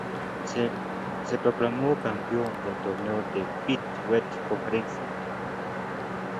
Carece de girola.